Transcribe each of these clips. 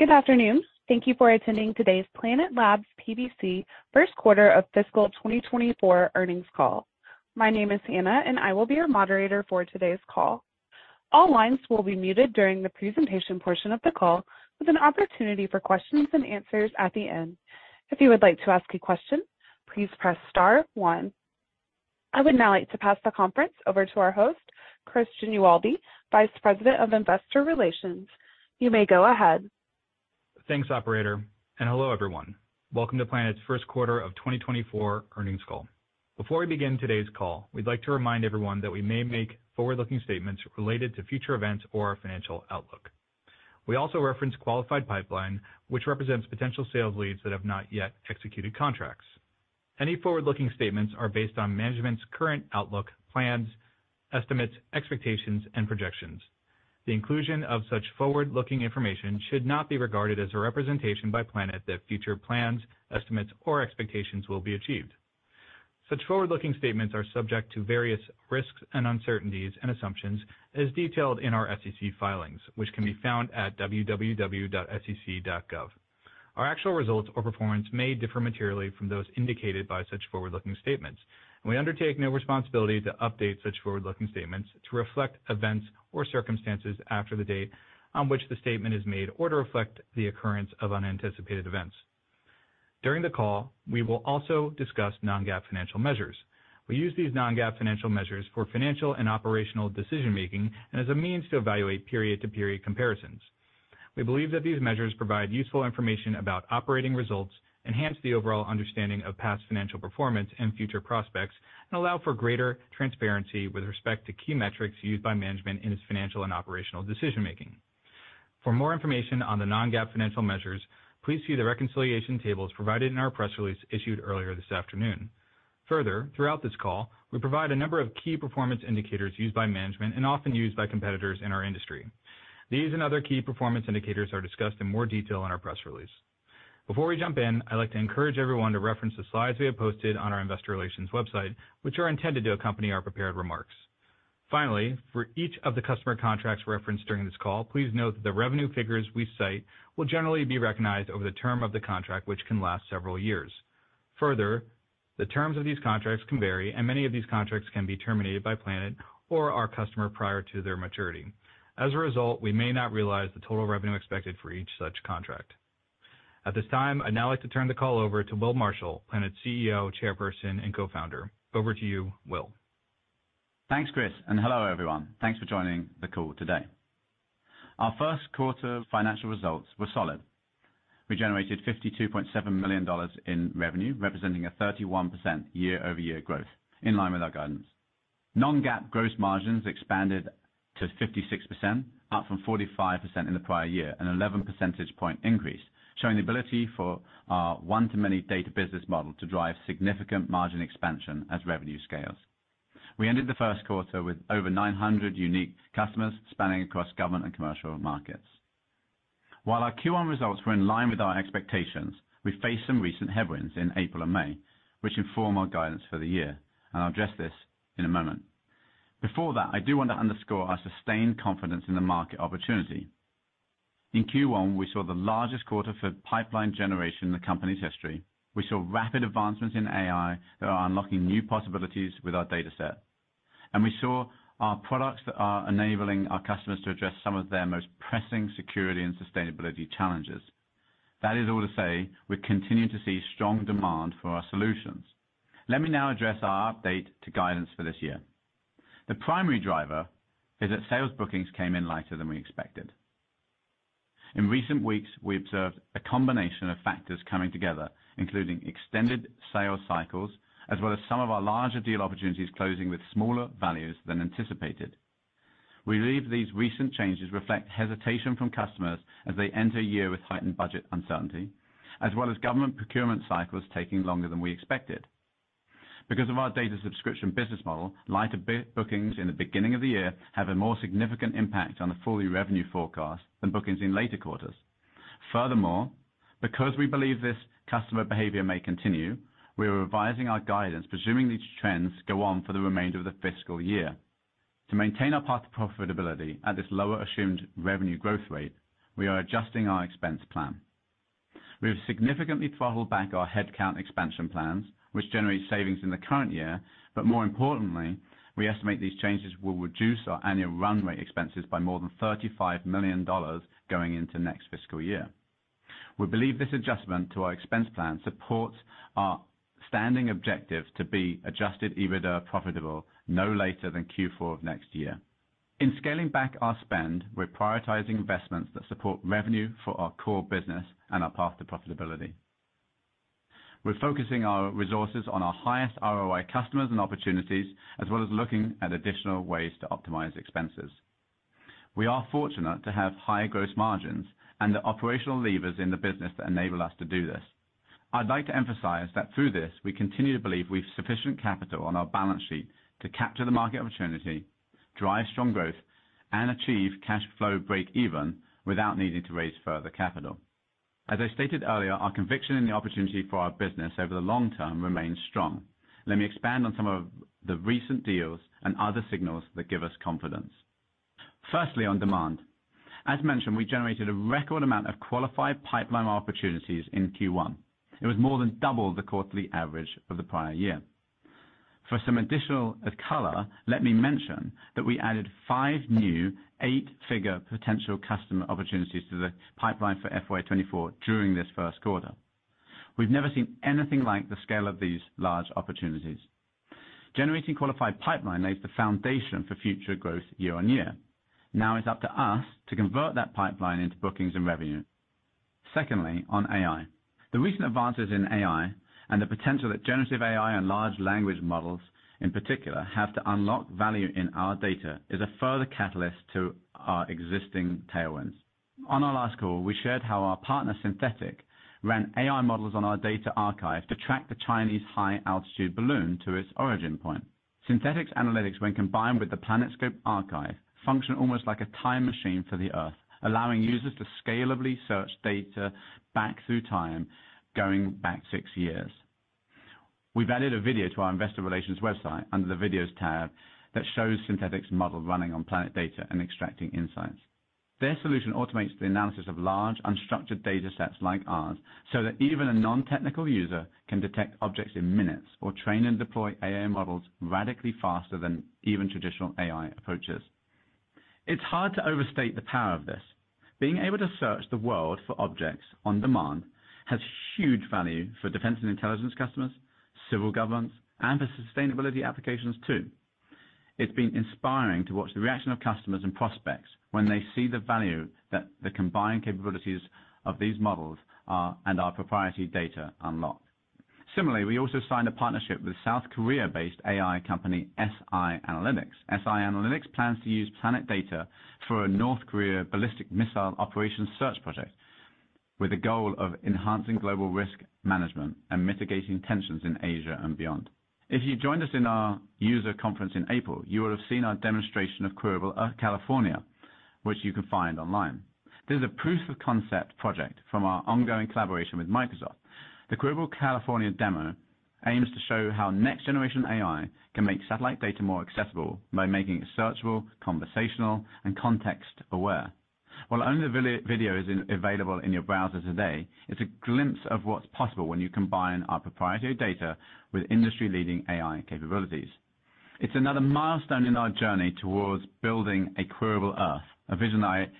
Good afternoon. Thank you for attending today's Planet Labs PBC Q1 of Fiscal 2024 Earnings Call. My name is Anna, and I will be your moderator for today's call. All lines will be muted during the presentation portion of the call, with an opportunity for questions and answers at the end. If you would like to ask a question, please press star one. I would now like to pass the conference over to our host, Chris Genualdi, Vice President of Investor Relations. You may go ahead. Thanks, operator, and hello, everyone. Welcome to Planet's Q1 of 2024 earnings call. Before we begin today's call, we'd like to remind everyone that we may make forward-looking statements related to future events or financial outlook. We also reference qualified pipeline, which represents potential sales leads that have not yet executed contracts. Any forward-looking statements are based on management's current outlook, plans, estimates, expectations, and projections. The inclusion of such forward-looking information should not be regarded as a representation by Planet that future plans, estimates, or expectations will be achieved. Such forward-looking statements are subject to various risks and uncertainties and assumptions, as detailed in our SEC filings, which can be found at www.sec.gov. Our actual results or performance may differ materially from those indicated by such forward-looking statements, and we undertake no responsibility to update such forward-looking statements to reflect events or circumstances after the date on which the statement is made or to reflect the occurrence of unanticipated events. During the call, we will also discuss non-GAAP financial measures. We use these non-GAAP financial measures for financial and operational decision-making and as a means to evaluate period-to-period comparisons. We believe that these measures provide useful information about operating results, enhance the overall understanding of past financial performance and future prospects, and allow for greater transparency with respect to key metrics used by management in its financial and operational decision making. For more information on the non-GAAP financial measures, please see the reconciliation tables provided in our press release issued earlier this afternoon. Further, throughout this call, we provide a number of key performance indicators used by management and often used by competitors in our industry. These and other key performance indicators are discussed in more detail in our press release. Before we jump in, I'd like to encourage everyone to reference the slides we have posted on our investor relations website, which are intended to accompany our prepared remarks. Finally, for each of the customer contracts referenced during this call, please note that the revenue figures we cite will generally be recognized over the term of the contract, which can last several years. Further, the terms of these contracts can vary, and many of these contracts can be terminated by Planet or our customer prior to their maturity. As a result, we may not realize the total revenue expected for each such contract. At this time, I'd now like to turn the call over to Will Marshall, Planet's CEO, Chairperson, and Co-founder. Over to you, Will. Thanks, Chris, and hello, everyone. Thanks for joining the call today. Our Q1 financial results were solid. We generated $52.7 million in revenue, representing a 31% year-over-year growth, in line with our guidance. Non-GAAP gross margins expanded to 56%, up from 45% in the prior year, an 11 percentage point increase, showing the ability for our one-to-many data business model to drive significant margin expansion as revenue scales. We ended the Q1 with over 900 unique customers spanning across government and commercial markets. While our Q1 results were in line with our expectations, we faced some recent headwinds in April and May, which inform our guidance for the year, and I'll address this in a moment. Before that, I do want to underscore our sustained confidence in the market opportunity. In Q1, we saw the largest quarter for pipeline generation in the company's history. We saw rapid advancements in AI that are unlocking new possibilities with our dataset. We saw our products that are enabling our customers to address some of their most pressing security and sustainability challenges. That is all to say, we continue to see strong demand for our solutions. Let me now address our update to guidance for this year. The primary driver is that sales bookings came in lighter than we expected. In recent weeks, we observed a combination of factors coming together, including extended sales cycles, as well as some of our larger deal opportunities closing with smaller values than anticipated. We believe these recent changes reflect hesitation from customers as they enter a year with heightened budget uncertainty, as well as government procurement cycles taking longer than we expected. Because of our data subscription business model, lighter bookings in the beginning of the year have a more significant impact on the full-year revenue forecast than bookings in later quarters. Furthermore, because we believe this customer behavior may continue, we are revising our guidance, presuming these trends go on for the remainder of the fiscal year. To maintain our path to profitability at this lower assumed revenue growth rate, we are adjusting our expense plan. We have significantly throttled back our headcount expansion plans, which generate savings in the current year, but more importantly, we estimate these changes will reduce our annual runway expenses by more than $35 million going into next fiscal year. We believe this adjustment to our expense plan supports our standing objective to be adjusted EBITDA profitable no later than Q4 of next year. In scaling back our spend, we're prioritizing investments that support revenue for our core business and our path to profitability. We're focusing our resources on our highest ROI customers and opportunities, as well as looking at additional ways to optimize expenses. We are fortunate to have high gross margins and the operational levers in the business that enable us to do this. I'd like to emphasize that through this, we continue to believe we have sufficient capital on our balance sheet to capture the market opportunity, drive strong growth, and achieve cash flow breakeven without needing to raise further capital. As I stated earlier, our conviction in the opportunity for our business over the long term remains strong. Let me expand on some of the recent deals and other signals that give us confidence. Firstly, on demand, as mentioned, we generated a record amount of qualified pipeline opportunities in Q1. It was more than double the quarterly average of the prior year. For some additional color, let me mention that we added 5 new eight-figure potential customer opportunities to the pipeline for FY 2024 during this Q1. We've never seen anything like the scale of these large opportunities. Generating qualified pipeline lays the foundation for future growth year-over-year. It's up to us to convert that pipeline into bookings and revenue. Secondly, on AI. The recent advances in AI and the potential that generative AI and large language models, in particular, have to unlock value in our data, is a further catalyst to our existing tailwinds. On our last call, we shared how our partner, Synthetaic, ran AI models on our data archive to track the Chinese high-altitude balloon to its origin point. Synthetaic's analytics, when combined with the PlanetScope archive, function almost like a time machine for the Earth, allowing users to scalably search data back through time, going back 6 years. We've added a video to our investor relations website under the Videos tab, that shows Synthetaic's model running on Planet data and extracting insights. Their solution automates the analysis of large, unstructured data sets like ours, so that even a non-technical user can detect objects in minutes or train and deploy AI models radically faster than even traditional AI approaches. It's hard to overstate the power of this. Being able to search the world for objects on demand has huge value for defense and intelligence customers, civil governments, and for sustainability applications, too. It's been inspiring to watch the reaction of customers and prospects when they see the value that the combined capabilities of these models are, and our proprietary data unlock. We also signed a partnership with South Korea-based AI company, SI Analytics. SI Analytics plans to use Planet data for a North Korea ballistic missile operations search project, with the goal of enhancing global risk management and mitigating tensions in Asia and beyond. If you joined us in our user conference in April, you would have seen our demonstration of Queryable Earth, California, which you can find online. This is a proof of concept project from our ongoing collaboration with Microsoft. The Queryable California demo aims to show how next generation AI can make satellite data more accessible by making it searchable, conversational, and context aware. While only the video is available in your browser today, it's a glimpse of what's possible when you combine our proprietary data with industry-leading AI capabilities. It's another milestone in our journey towards building a Queryable Earth, a vision I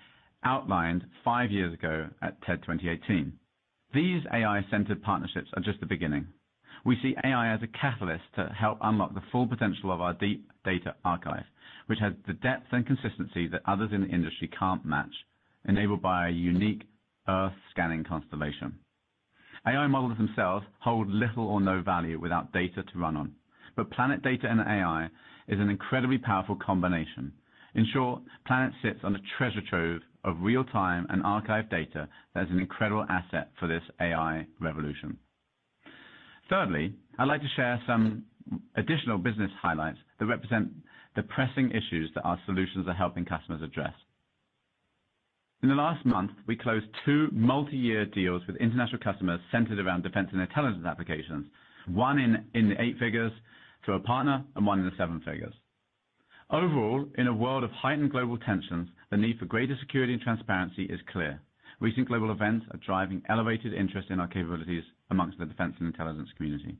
outlined five years ago at TED 2018. These AI-centered partnerships are just the beginning. We see AI as a catalyst to help unlock the full potential of our deep data archive, which has the depth and consistency that others in the industry can't match, enabled by our unique Earth scanning constellation. AI models themselves hold little or no value without data to run on, but Planet data and AI is an incredibly powerful combination. In short, Planet sits on a treasure trove of real-time and archive data that is an incredible asset for this AI revolution. Thirdly, I'd like to share some additional business highlights that represent the pressing issues that our solutions are helping customers address. In the last month, we closed two multi-year deals with international customers centered around defense and intelligence applications, one in the eight figures through a partner and one in the seven figures. In a world of heightened global tensions, the need for greater security and transparency is clear. Recent global events are driving elevated interest in our capabilities amongst the defense and intelligence community.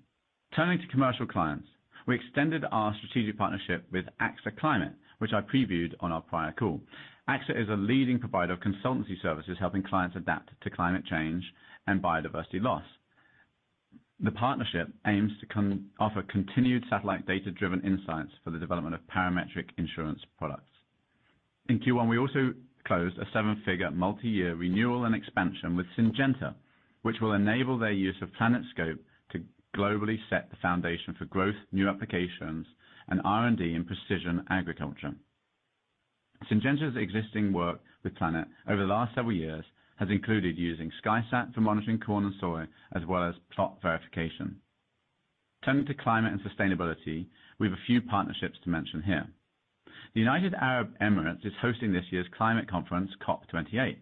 Turning to commercial clients, we extended our strategic partnership with AXA Climate, which I previewed on our prior call. AXA Climate is a leading provider of consultancy services, helping clients adapt to climate change and biodiversity loss. The partnership aims to offer continued satellite data-driven insights for the development of parametric insurance products. In Q1, we also closed a 7-figure, multi-year renewal and expansion with Syngenta, which will enable their use of PlanetScope to globally set the foundation for growth, new applications, and R&D in precision agriculture. Syngenta's existing work with Planet over the last several years has included using SkySat for monitoring corn and soy, as well as plot verification. Turning to climate and sustainability, we have a few partnerships to mention here. The United Arab Emirates is hosting this year's climate conference, COP28.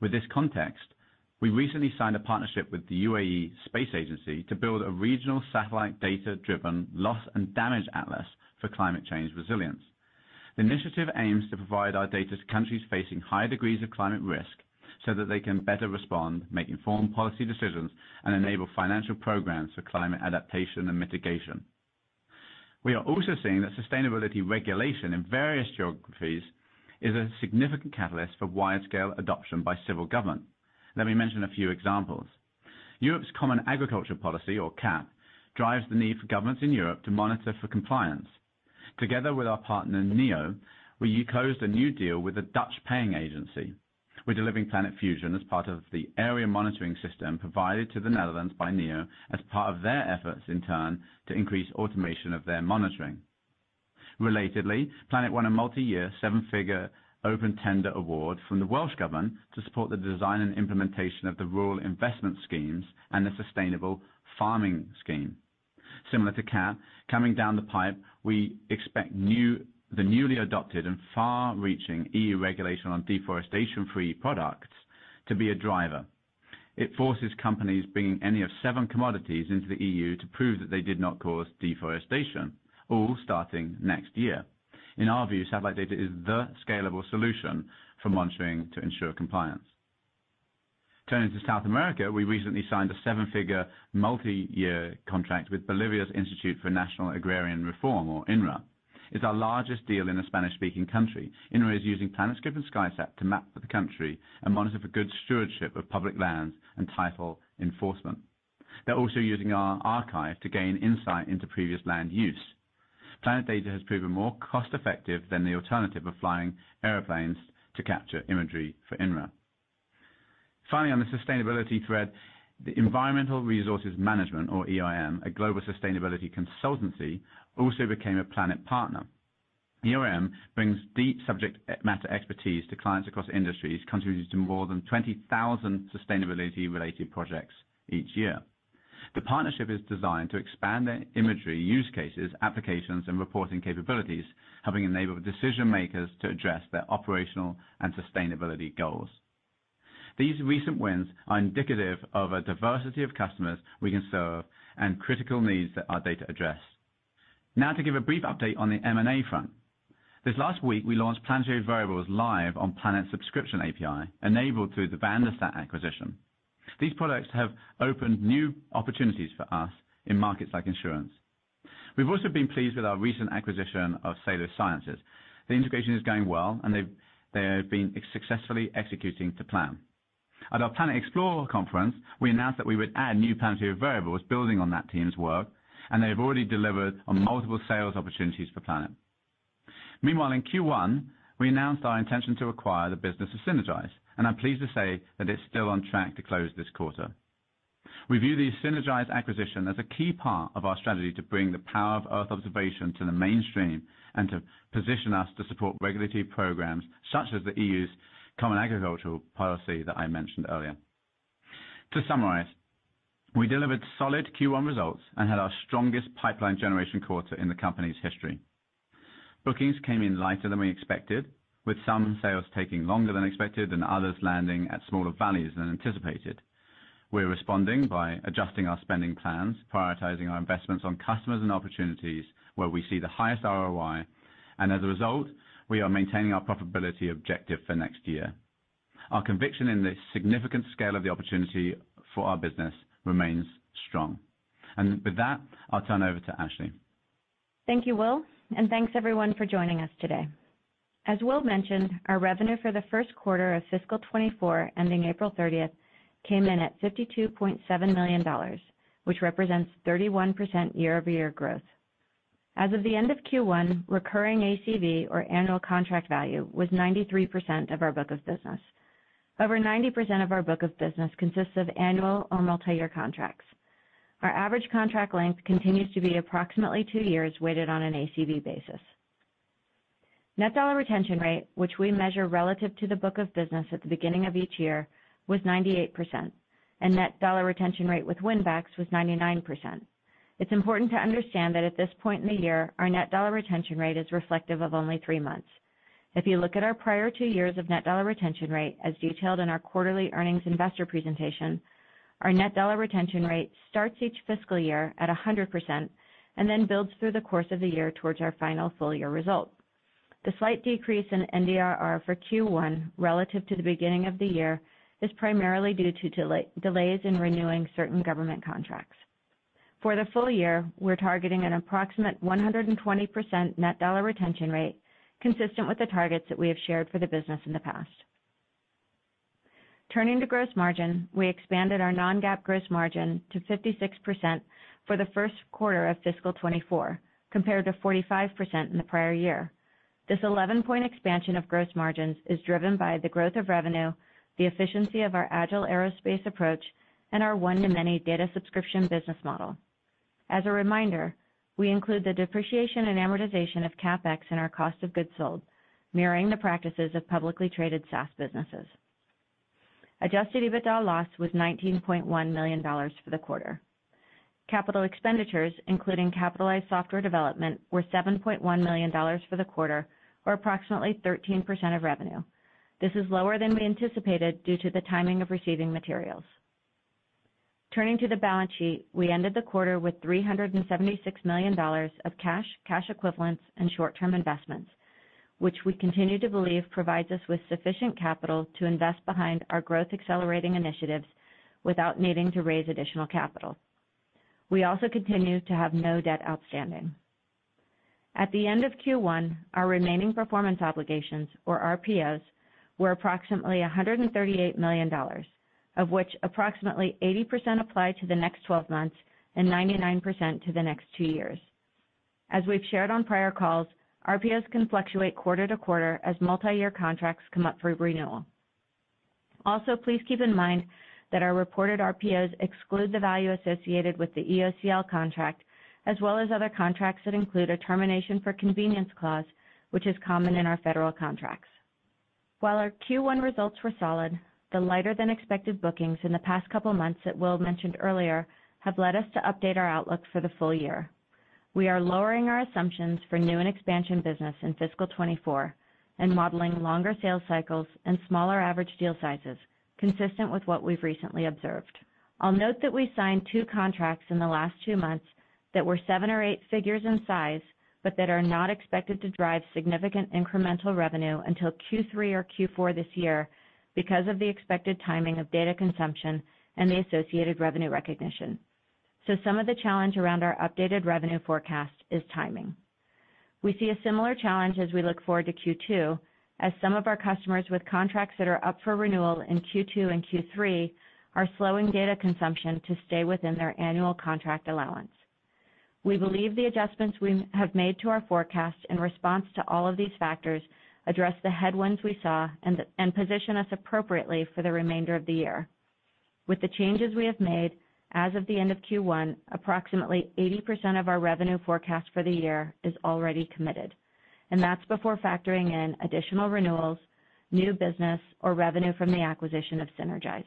With this context, we recently signed a partnership with the UAE Space Agency to build a regional satellite data-driven loss and damage atlas for climate change resilience. The initiative aims to provide our data to countries facing high degrees of climate risk so that they can better respond, make informed policy decisions, and enable financial programs for climate adaptation and mitigation. We are also seeing that sustainability regulation in various geographies is a significant catalyst for wide-scale adoption by civil government. Let me mention a few examples. Europe's Common Agricultural Policy, or CAP, drives the need for governments in Europe to monitor for compliance. Together with our partner, NEO, we closed a new deal with a Dutch paying agency. We're delivering Planet Fusion as part of the area monitoring system provided to the Netherlands by NEO, as part of their efforts, in turn, to increase automation of their monitoring. Relatedly, Planet won a multi-year, seven-figure open tender award from the Welsh government to support the design and implementation of the Rural Investment Schemes and the Sustainable Farming Scheme. Similar to CAP, coming down the pipe, we expect the newly adopted and far-reaching EU Regulation on Deforestation-free products to be a driver. It forces companies bringing any of 7 commodities into the EU to prove that they did not cause deforestation, all starting next year. In our view, satellite data is the scalable solution for monitoring to ensure compliance. Turning to South America, we recently signed a 7-figure multi-year contract with Bolivia's Institute for National Agrarian Reform, or INRA. It's our largest deal in a Spanish-speaking country. INRA is using PlanetScope and SkySat to map the country and monitor for good stewardship of public lands and title enforcement. They're also using our archive to gain insight into previous land use. Planet data has proven more cost-effective than the alternative of flying airplanes to capture imagery for INRA. On the sustainability thread, the Environmental Resources Management, or ERM, a global sustainability consultancy, also became a Planet partner. ERM brings deep subject matter expertise to clients across industries, contributing to more than 20,000 sustainability-related projects each year. The partnership is designed to expand their imagery, use cases, applications, and reporting capabilities, helping enable decision-makers to address their operational and sustainability goals. These recent wins are indicative of a diversity of customers we can serve and critical needs that our data address. Now, to give a brief update on the M&A front. This last week, we launched Planetary Variables Live on Planet Subscription API, enabled through the VanderSat acquisition. These products have opened new opportunities for us in markets like insurance. We've also been pleased with our recent acquisition of Salo Sciences. The integration is going well, and they have been successfully executing to plan. At our Planet Explore conference, we announced that we would add new Planetary Variables, building on that team's work. They have already delivered on multiple sales opportunities for Planet. Meanwhile, in Q1, we announced our intention to acquire the business of Sinergise. I'm pleased to say that it's still on track to close this quarter. We view the Sinergise acquisition as a key part of our strategy to bring the power of Earth observation to the mainstream and to position us to support regulatory programs such as the EU's Common Agricultural Policy that I mentioned earlier. To summarize, we delivered solid Q1 results and had our strongest pipeline generation quarter in the company's history. Bookings came in lighter than we expected, with some sales taking longer than expected and others landing at smaller values than anticipated. We're responding by adjusting our spending plans, prioritizing our investments on customers and opportunities where we see the highest ROI, as a result, we are maintaining our profitability objective for next year. Our conviction in the significant scale of the opportunity for our business remains strong. With that, I'll turn over to Ashley. Thank you, Will. Thanks everyone for joining us today. As Will mentioned, our revenue for the Q1 of fiscal 2024, ending April 30th, came in at $52.7 million, which represents 31% year-over-year growth. As of the end of Q1, recurring ACV, or annual contract value, was 93% of our book of business. Over 90% of our book of business consists of annual or multi-year contracts. Our average contract length continues to be approximately two years, weighted on an ACV basis. Net dollar retention rate, which we measure relative to the book of business at the beginning of each year, was 98%, and net dollar retention rate with win backs was 99%. It's important to understand that at this point in the year, our net dollar retention rate is reflective of only three months. If you look at our prior 2 years of net dollar retention rate, as detailed in our quarterly earnings investor presentation, our net dollar retention rate starts each fiscal year at 100% and then builds through the course of the year towards our final full year result. The slight decrease in NDRR for Q1 relative to the beginning of the year is primarily due to delays in renewing certain government contracts. For the full year, we're targeting an approximate 120% net dollar retention rate, consistent with the targets that we have shared for the business in the past. Turning to gross margin, we expanded our non-GAAP gross margin to 56% for the Q1 of fiscal 2024, compared to 45% in the prior year. This 11-point expansion of gross margins is driven by the growth of revenue, the efficiency of our agile aerospace approach, and our one-to-many data subscription business model. As a reminder, we include the depreciation and amortization of CapEx in our cost of goods sold, mirroring the practices of publicly traded SaaS businesses. Adjusted EBITDA loss was $19.1 million for the quarter. Capital expenditures, including capitalized software development, were $7.1 million for the quarter or approximately 13% of revenue. This is lower than we anticipated due to the timing of receiving materials. Turning to the balance sheet, we ended the quarter with $376 million of cash equivalents, and short-term investments, which we continue to believe provides us with sufficient capital to invest behind our growth-accelerating initiatives without needing to raise additional capital. We also continue to have no debt outstanding. At the end of Q1, our remaining performance obligations, or RPOs, were approximately $138 million, of which approximately 80% apply to the next 12 months and 99% to the next 2 years. As we've shared on prior calls, RPOs can fluctuate quarter to quarter as multi-year contracts come up for renewal. Please keep in mind that our reported RPOs exclude the value associated with the EOCL contract, as well as other contracts that include a termination for convenience clause, which is common in our federal contracts. While our Q1 results were solid, the lighter-than-expected bookings in the past couple of months that Will mentioned earlier have led us to update our outlook for the full year. We are lowering our assumptions for new and expansion business in fiscal 2024 and modeling longer sales cycles and smaller average deal sizes, consistent with what we've recently observed. I'll note that we signed two contracts in the last two months that were seven or eight figures in size, but that are not expected to drive significant incremental revenue until Q3 or Q4 this year because of the expected timing of data consumption and the associated revenue recognition. Some of the challenge around our updated revenue forecast is timing. We see a similar challenge as we look forward to Q2, as some of our customers with contracts that are up for renewal in Q2 and Q3 are slowing data consumption to stay within their annual contract allowance. We believe the adjustments we have made to our forecast in response to all of these factors address the headwinds we saw and position us appropriately for the remainder of the year. With the changes we have made, as of the end of Q1, approximately 80% of our revenue forecast for the year is already committed, and that's before factoring in additional renewals, new business, or revenue from the acquisition of Sinergise.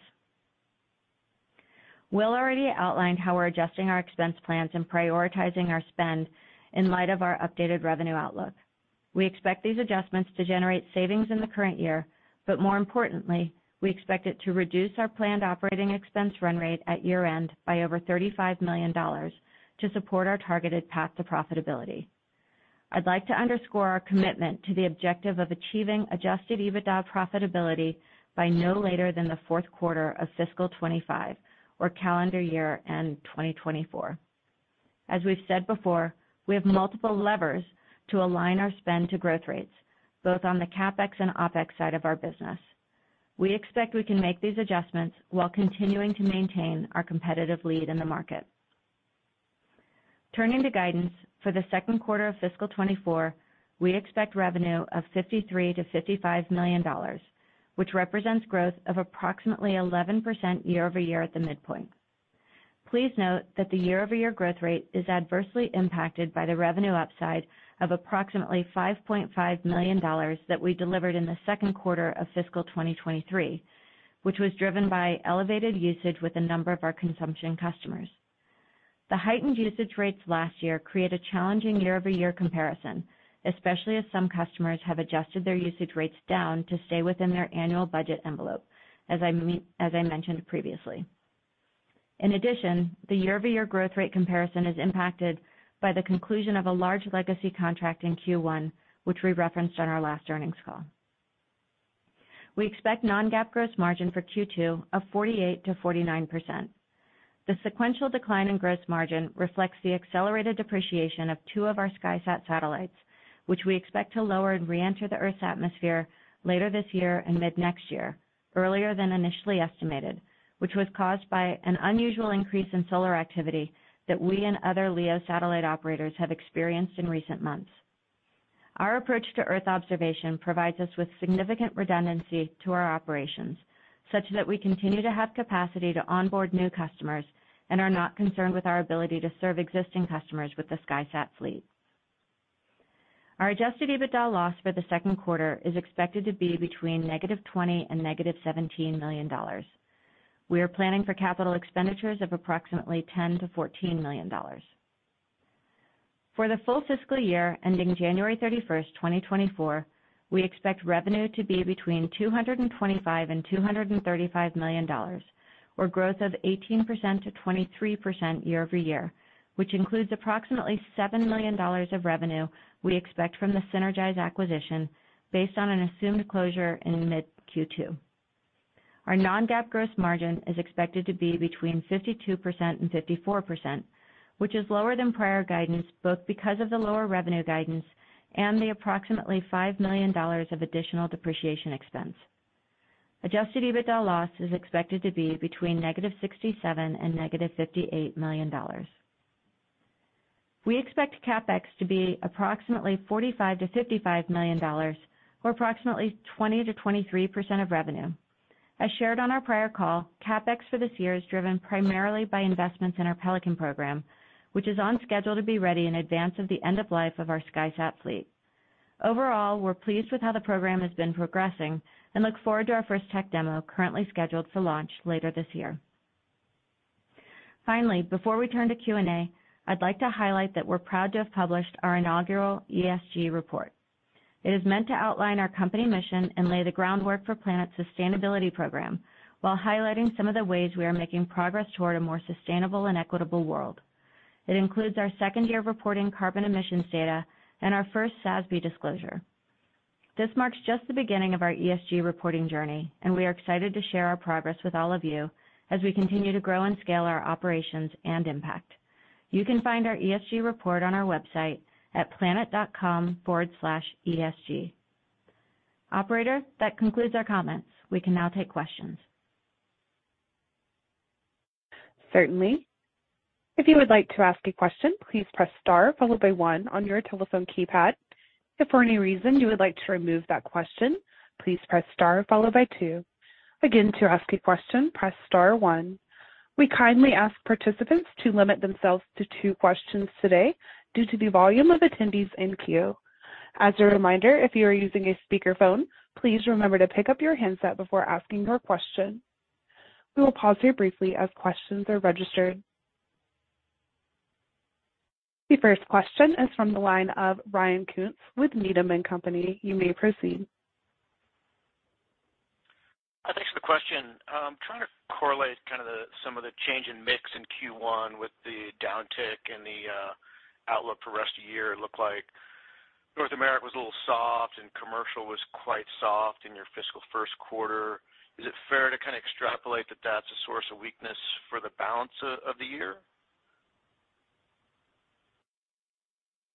Will already outlined how we're adjusting our expense plans and prioritizing our spend in light of our updated revenue outlook. We expect these adjustments to generate savings in the current year, but more importantly, we expect it to reduce our planned operating expense run rate at year-end by over $35 million to support our targeted path to profitability. I'd like to underscore our commitment to the objective of achieving adjusted EBITDA profitability by no later than the Q4 of fiscal 2025 or calendar year-end 2024. As we've said before, we have multiple levers to align our spend to growth rates, both on the CapEx and OpEx side of our business. We expect we can make these adjustments while continuing to maintain our competitive lead in the market. Turning to guidance, for the Q2 of fiscal 2024, we expect revenue of $53 million-$55 million, which represents growth of approximately 11% year-over-year at the midpoint. Please note that the year-over-year growth rate is adversely impacted by the revenue upside of approximately $5.5 million that we delivered in the Q2 of fiscal 2023, which was driven by elevated usage with a number of our consumption customers. The heightened usage rates last year create a challenging year-over-year comparison, especially as some customers have adjusted their usage rates down to stay within their annual budget envelope, as I mentioned previously. The year-over-year growth rate comparison is impacted by the conclusion of a large legacy contract in Q1, which we referenced on our last earnings call. We expect non-GAAP gross margin for Q2 of 48%-49%. The sequential decline in gross margin reflects the accelerated depreciation of two of our SkySat satellites, which we expect to lower and reenter the Earth's atmosphere later this year and mid-next year, earlier than initially estimated, which was caused by an unusual increase in solar activity that we and other LEO satellite operators have experienced in recent months. Our approach to Earth observation provides us with significant redundancy to our operations, such that we continue to have capacity to onboard new customers and are not concerned with our ability to serve existing customers with the SkySat fleet. Our adjusted EBITDA loss for the Q2 is expected to be between -$20 million and -$17 million. We are planning for capital expenditures of approximately $10 million-$14 million. For the full fiscal year, ending January 31st, 2024, we expect revenue to be between $225 million and $235 million, or growth of 18%-23% year-over-year, which includes approximately $7 million of revenue we expect from the Sinergise acquisition based on an assumed closure in mid-Q2. Our non-GAAP gross margin is expected to be between 52% and 54%, which is lower than prior guidance, both because of the lower revenue guidance and the approximately $5 million of additional depreciation expense. Adjusted EBITDA loss is expected to be between negative $67 million and negative $58 million. We expect CapEx to be approximately $45 million-$55 million or approximately 20%-23% of revenue. As shared on our prior call, CapEx for this year is driven primarily by investments in our Pelican program, which is on schedule to be ready in advance of the end of life of our SkySat fleet. Overall, we're pleased with how the program has been progressing and look forward to our first tech demo, currently scheduled for launch later this year. Finally, before we turn to Q&A, I'd like to highlight that we're proud to have published our inaugural ESG report. It is meant to outline our company mission and lay the groundwork for Planet's sustainability program, while highlighting some of the ways we are making progress toward a more sustainable and equitable world. It includes our second year of reporting carbon emissions data and our first SASB disclosure. This marks just the beginning of our ESG reporting journey, and we are excited to share our progress with all of you as we continue to grow and scale our operations and impact. You can find our ESG report on our website at planet.com/esg. Operator, that concludes our comments. We can now take questions. Certainly. If you would like to ask a question, please press star followed by one on your telephone keypad. If for any reason you would like to remove that question, please press star followed by two. Again, to ask a question, press star one. We kindly ask participants to limit themselves to two questions today due to the volume of attendees in queue. As a reminder, if you are using a speakerphone, please remember to pick up your handset before asking your question. We will pause here briefly as questions are registered. The first question is from the line of Ryan Koontz with Needham & Company. You may proceed. Thanks for the question. Trying to correlate kind of the, some of the change in mix in Q1 with the downtick in the outlook for rest of the year. It looked like North America was a little soft and commercial was quite soft in your fiscal Q1. Is it fair to kind of extrapolate that that's a source of weakness for the balance of the year?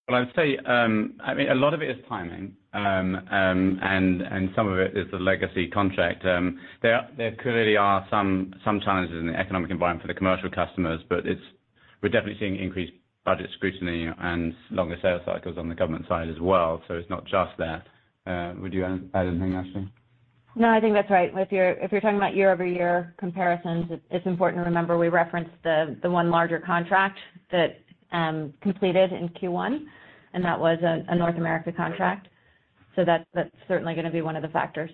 Well, I'd say, I mean, a lot of it is timing. Some of it is the legacy contract. There clearly are some challenges in the economic environment for the commercial customers, but it's, we're definitely seeing increased budget scrutiny and longer sales cycles on the government side as well, so it's not just that. Would you add anything, Ashley? No, I think that's right. If you're talking about year-over-year comparisons, it's important to remember we referenced the one larger contract that completed in Q1, and that was a North America contract. That's certainly gonna be one of the factors.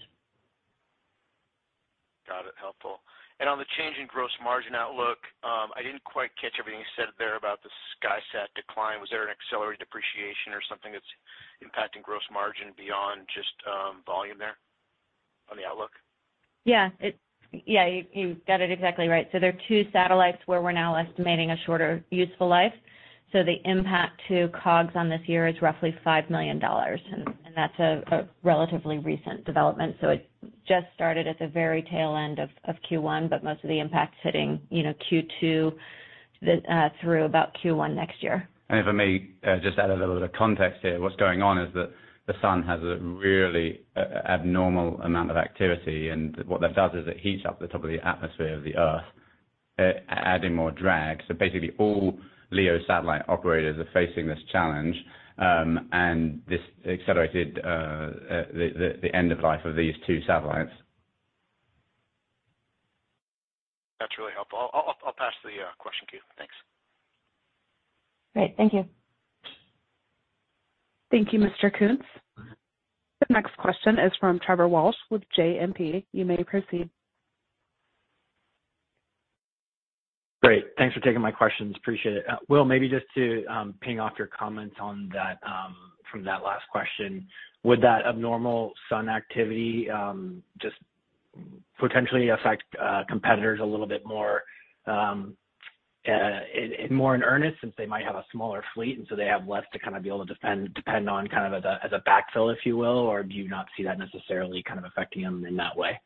Got it. Helpful. On the change in gross margin outlook, I didn't quite catch everything you said there about the SkySat decline. Was there an accelerated depreciation or something that's impacting gross margin beyond just, volume there on the outlook? Yeah, you got it exactly right. There are two satellites where we're now estimating a shorter useful life. The impact to COGS on this year is roughly $5 million, and that's a relatively recent development. It just started at the very tail end of Q1, but most of the impact's hitting, you know, Q2, the through about Q1 next year. If I may, just add a little bit of context here. What's going on is that the sun has a really abnormal amount of activity, and what that does is it heats up the top of the atmosphere of the Earth, adding more drag. Basically, all LEO satellite operators are facing this challenge, and this accelerated the end of life of these two satellites. That's really helpful. I'll pass the question to you. Thanks. Great. Thank you. Thank you, Mr. Koontz. The next question is from Trevor Walsh with JMP. You may proceed. Great. Thanks for taking my questions. Appreciate it. Will, maybe just to ping off your comments on that from that last question. Would that abnormal sun activity just potentially affect competitors a little bit more and more in earnest, since they might have a smaller fleet, and so they have less to kind of be able to depend on, kind of as a backfill, if you will? Or do you not see that necessarily kind of affecting them in that way?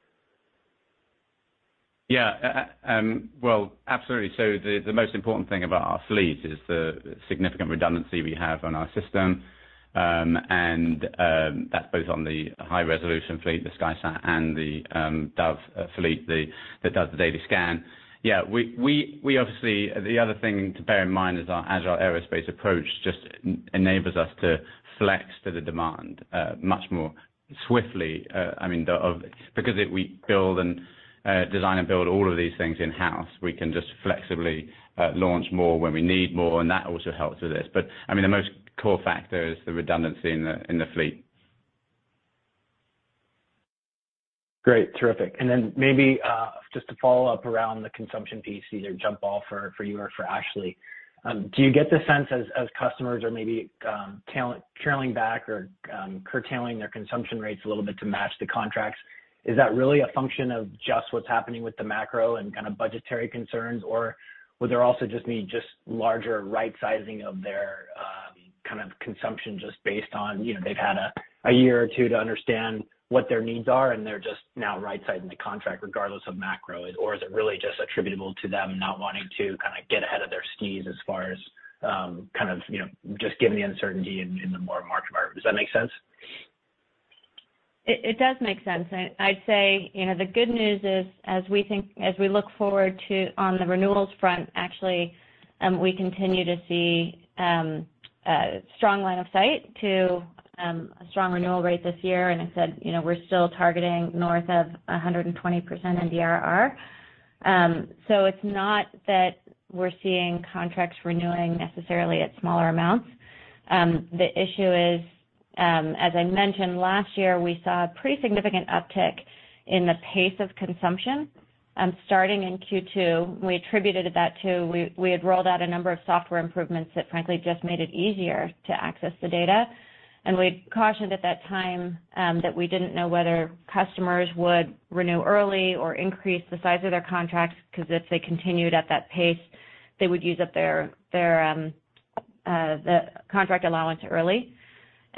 Well, absolutely. The most important thing about our fleet is the significant redundancy we have on our system. And that's both on the high-resolution fleet, the SkySat, and the Dove fleet that does the daily scan. We obviously... The other thing to bear in mind is our agile aerospace approach just enables us to flex to the demand much more swiftly. I mean, because if we build and design and build all of these things in-house, we can just flexibly launch more when we need more, and that also helps with this. I mean, the most core factor is the redundancy in the fleet. Great. Terrific. Then maybe, just to follow up around the consumption piece, either jump off for you or for Ashley. Do you get the sense as customers are maybe, trailing back or, curtailing their consumption rates a little bit to match the contracts, is that really a function of just what's happening with the macro and kind of budgetary concerns? Would there also be larger right-sizing of their, kind of consumption, just based on, you know, they've had a year or two to understand what their needs are, and they're just now right-sizing the contract regardless of macro? Is it really just attributable to them not wanting to kind of get ahead of their skis as far as, kind of, you know, just given the uncertainty in the more marked environment? Does that make sense? It does make sense. I'd say, you know, the good news is, as we think, as we look forward to, on the renewals front, actually, we continue to see a strong line of sight to a strong renewal rate this year. I said, you know, we're still targeting north of 120% NDRR. It's not that we're seeing contracts renewing necessarily at smaller amounts. The issue is, as I mentioned last year, we saw a pretty significant uptick in the pace of consumption, starting in Q2. We attributed that to we had rolled out a number of software improvements that frankly just made it easier to access the data. We'd cautioned at that time that we didn't know whether customers would renew early or increase the size of their contracts, because if they continued at that pace, they would use up their contract allowance early.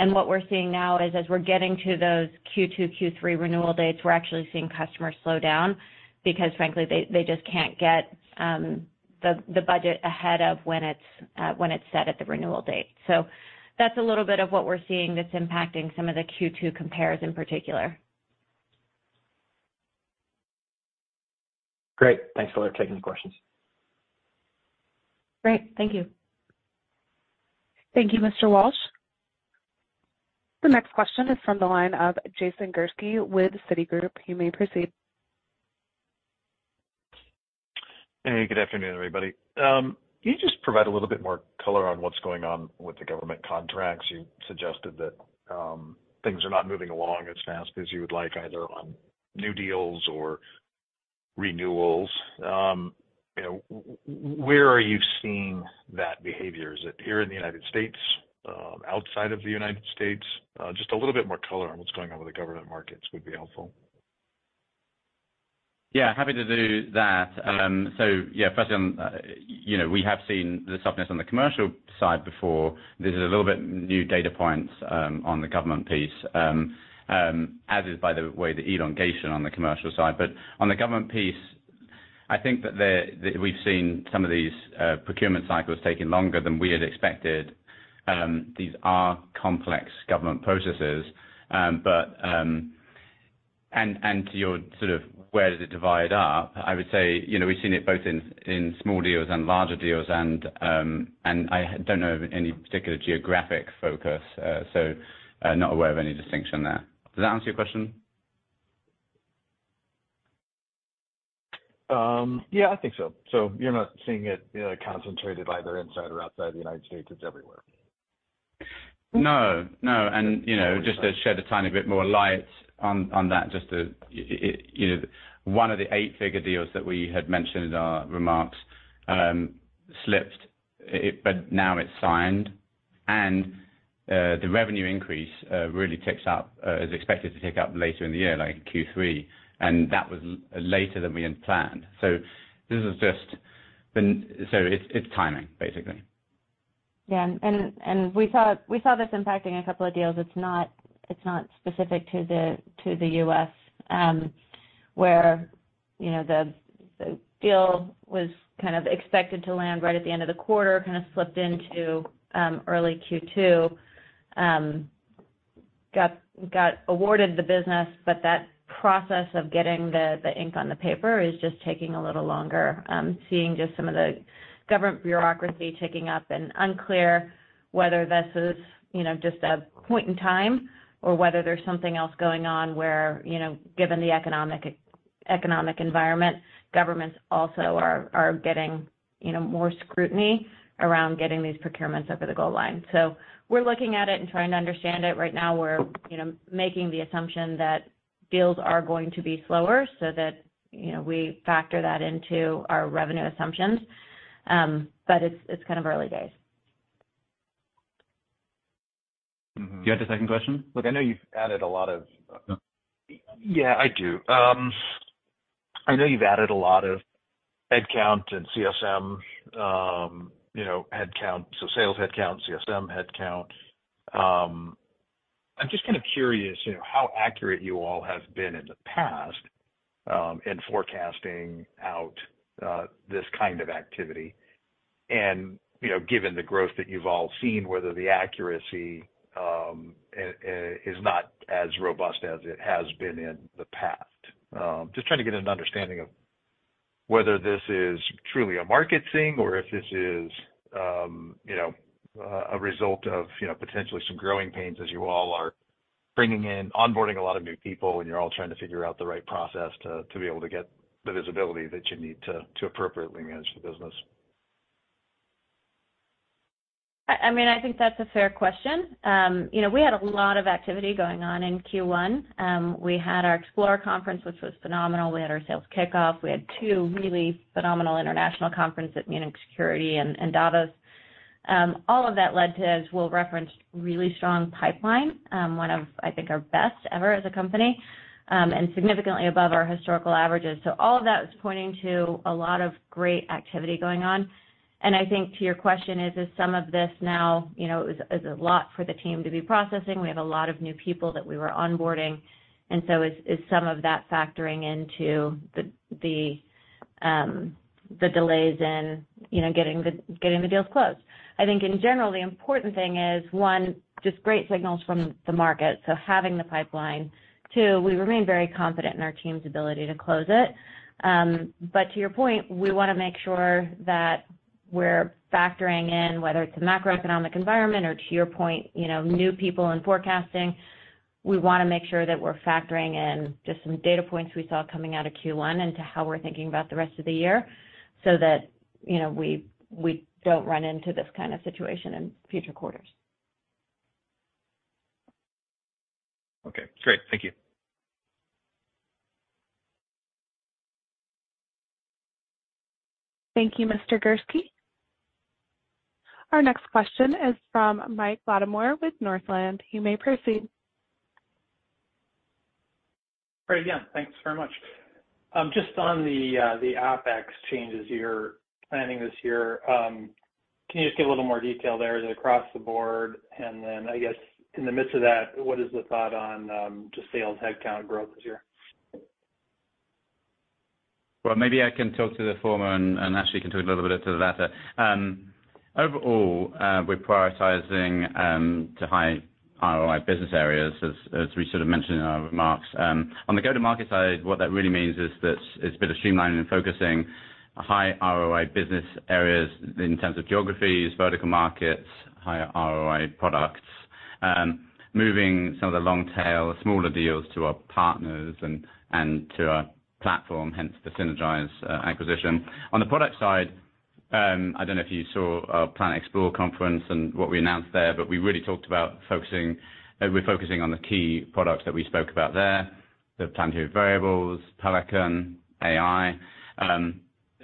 What we're seeing now is, as we're getting to those Q2, Q3 renewal dates, we're actually seeing customers slow down because frankly, they just can't get the budget ahead of when it's when it's set at the renewal date. That's a little bit of what we're seeing that's impacting some of the Q2 compares in particular. Great. Thanks for taking the questions. Great. Thank you. Thank you, Mr. Walsh. The next question is from the line of Jason Gursky with Citigroup. You may proceed. Good afternoon, everybody. Can you just provide a little bit more color on what's going on with the government contracts? You suggested that things are not moving along as fast as you would like, either on new deals or renewals. You know, where are you seeing that behavior? Is it here in the United States, outside of the United States? Just a little bit more color on what's going on with the government markets would be helpful. Yeah, happy to do that. Yeah, first, you know, we have seen the softness on the commercial side before. This is a little bit new data points on the government piece. As is, by the way, the elongation on the commercial side. On the government piece, I think that we've seen some of these procurement cycles taking longer than we had expected. These are complex government processes. And to your sort of where does it divide up, I would say, you know, we've seen it both in small deals and larger deals, and I don't know of any particular geographic focus. Not aware of any distinction there. Does that answer your question? Yeah, I think so. You're not seeing it, you know, concentrated either inside or outside the United States, it's everywhere? No, no. You know, just to shed a tiny bit more light on that, just to, you know, one of the eight-figure deals that we had mentioned in our remarks, slipped, but now it's signed, and the revenue increase really ticks up, is expected to tick up later in the year, like Q3, and that was later than we had planned. This is just so it's timing, basically. Yeah, we saw this impacting a couple of deals. It's not specific to the U.S., where, you know, the deal was kind of expected to land right at the end of the quarter, kind of slipped into early Q2. Got awarded the business, that process of getting the ink on the paper is just taking a little longer. Seeing just some of the government bureaucracy ticking up, unclear whether this is, you know, just a point in time or whether there's something else going on where, you know, given the economic environment, governments also are getting more scrutiny around getting these procurements over the goal line. We're looking at it and trying to understand it. Right now we're, you know, making the assumption that deals are going to be slower so that, you know, we factor that into our revenue assumptions. It's kind of early days. Mm-hmm. Do you have the second question? Look, I know you've added a lot of yeah, I do. I know you've added a lot of headcount and CSM, you know, headcount, so sales headcount, CSM headcount. I'm just kind of curious, you know, how accurate you all have been in the past, in forecasting out this kind of activity? You know, given the growth that you've all seen, whether the accuracy is not as robust as it has been in the past? Just trying to get an understanding of whether this is truly a market thing or if this is, you know, a result of, you know, potentially some growing pains as you all are bringing in, onboarding a lot of new people, and you're all trying to figure out the right process to be able to get the visibility that you need to appropriately manage the business. I mean, I think that's a fair question. you know, we had a lot of activity going on in Q1. We had our Explore conference, which was phenomenal. We had our sales kickoff. We had two really phenomenal international conference at Munich Security and Davos. All of that led to, as Will referenced, really strong pipeline, one of, I think, our best ever as a company, and significantly above our historical averages. All of that was pointing to a lot of great activity going on. I think to your question is some of this now, you know, is a lot for the team to be processing. We have a lot of new people that we were onboarding, and so is some of that factoring into the delays in, you know, getting the deals closed? I think in general, the important thing is, one, just great signals from the market, so having the pipeline. Two, we remain very confident in our team's ability to close it. To your point, we wanna make sure that we're factoring in whether it's the macroeconomic environment or, to your point, you know, new people in forecasting. We wanna make sure that we're factoring in just some data points we saw coming out of Q1 into how we're thinking about the rest of the year, so that, you know, we don't run into this kind of situation in future quarters. Okay, great. Thank you. Thank you, Mr. Gursky. Our next question is from Mike Latimore with Northland. You may proceed. Great. Yeah, thanks very much. Just on the OpEx changes you're planning this year, can you just give a little more detail there, is it across the board? Then, I guess, in the midst of that, what is the thought on just sales headcount growth this year? Maybe I can talk to the former, and Ashley can talk a little bit to the latter. Overall, we're prioritizing to high ROI business areas, as we sort of mentioned in our remarks. On the go-to-market side, what that really means is that it's been a streamlining and focusing high ROI business areas in terms of geographies, vertical markets, higher ROI products. Moving some of the long tail, smaller deals to our partners and to our platform, hence the Sinergise acquisition. On the product side, I don't know if you saw our Planet Explore conference and what we announced there, but we really talked about we're focusing on the key products that we spoke about there, the Planetary Variables, Pelican, AI.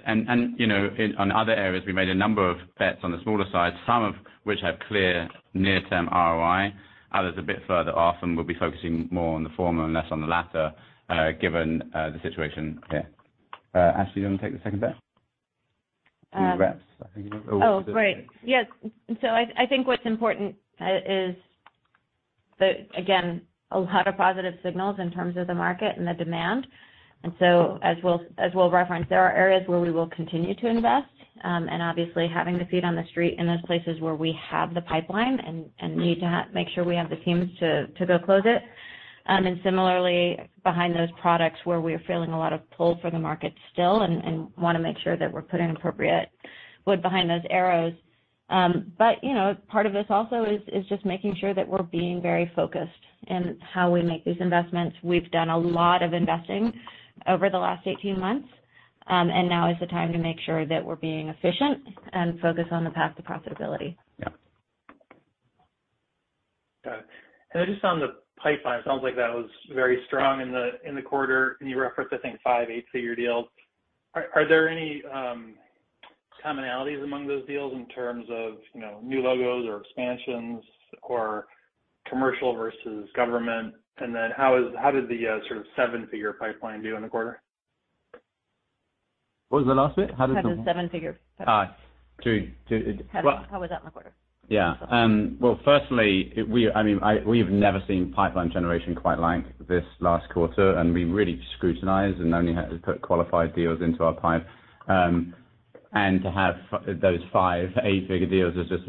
You know, in, on other areas, we made a number of bets on the smaller side, some of which have clear near-term ROI, others a bit further off, and we'll be focusing more on the former and less on the latter, given the situation here. Ashley, do you want to take the second bet? Um. Any reps, I think you know? Oh, right. Yes. I think what's important is that, again, a lot of positive signals in terms of the market and the demand. As we'll reference, there are areas where we will continue to invest, and obviously having the feet on the street in those places where we have the pipeline and need to make sure we have the teams to go close it. Similarly, behind those products where we are feeling a lot of pull for the market still and want to make sure that we're putting appropriate wood behind those arrows. You know, part of this also is just making sure that we're being very focused in how we make these investments. We've done a lot of investing over the last 18 months. Now is the time to make sure that we're being efficient and focused on the path to profitability. Yeah. Got it. Just on the pipeline, it sounds like that was very strong in the quarter, and you referenced, I think, five eight-figure deals. Are there any commonalities among those deals in terms of, you know, new logos or expansions or commercial versus government? How did the sort of seven-figure pipeline do in the quarter? What was the last bit? How did. How did the seven figure- to. How was that in the quarter? Yeah. Well, firstly, we, I mean, I, we've never seen pipeline generation quite like this last quarter, and we really scrutinized and only had to put qualified deals into our pipe. To have those five eight-figure deals is just,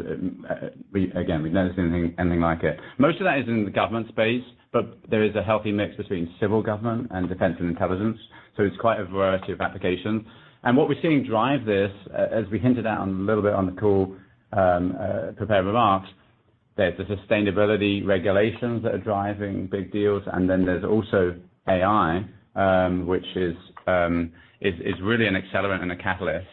we've never seen anything like it. Most of that is in the government space, but there is a healthy mix between civil government and defense and intelligence, so it's quite a variety of applications. What we're seeing drive this, as we hinted at on, a little bit on the call, prepared remarks, there's the sustainability regulations that are driving big deals, and then there's also AI, which is, it's really an accelerant and a catalyst.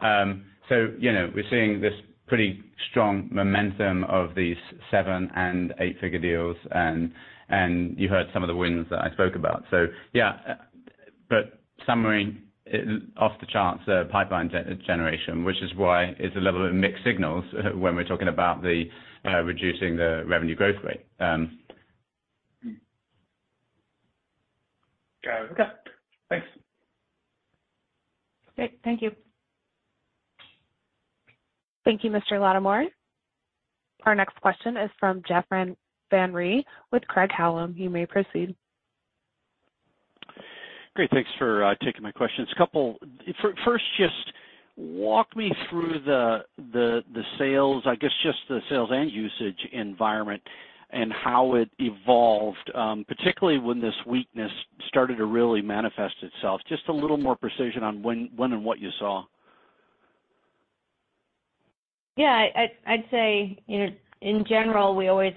You know, we're seeing this pretty strong momentum of these seven and eight-figure deals, and you heard some of the wins that I spoke about. Yeah, summary, it off the charts, pipeline generation, which is why it's a level of mixed signals when we're talking about the reducing the revenue growth rate. Got it. Okay, thanks. Great, thank you. Thank you, Mr. Latimore. Our next question is from Jeff Van Rhee with Craig-Hallum. You may proceed. Great, thanks for taking my questions. First, just walk me through the sales, I guess, just the sales and usage environment and how it evolved, particularly when this weakness started to really manifest itself. Just a little more precision on when and what you saw. I'd say, you know, in general, we always